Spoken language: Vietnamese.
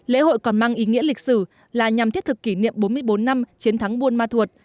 lễ hội còn mang ý nghĩa lịch sử là nhằm thiết thực kỷ niệm bốn mươi bốn năm chiến thắng buôn ma thuột